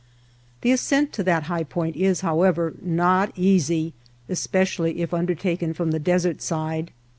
The ascent to that high point is, however, not easy, especially if undertaken from the desert side.